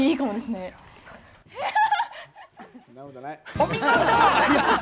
お見事！